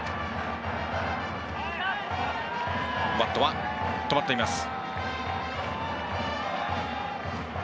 バットは止まっています。